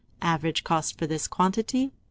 Average cost for this quantity, 3d.